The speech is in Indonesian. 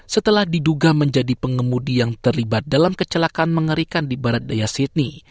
setelah diduga menjadi pengemudi yang terlibat dalam kecelakaan mengerikan di barat daya sydney